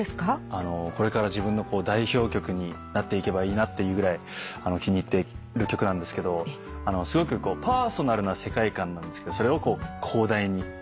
これから自分の代表曲になっていけばいいなっていうぐらい気に入っている曲なんですけどすごくパーソナルな世界観なんですけどそれを広大に歌ったような曲で。